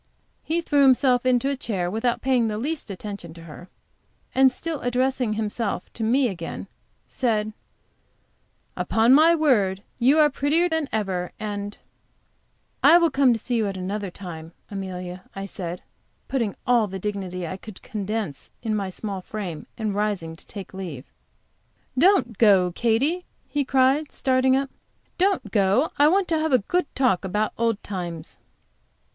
He threw himself into a chair without paying the least attention to her, and still addressing himself to me again, said: "Upon my word, you are prettier than ever," and "I will come to see you at another time, Amelia," I said, putting on all the dignity I could condense in my small frame, and rising to take leave. "Don't go, Katy!" he cried, starting up, "don't go. I want to have a good talk about old times."